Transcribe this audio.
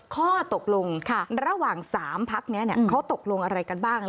ข้อตกลงระหว่าง๓พักนี้เขาตกลงอะไรกันบ้าง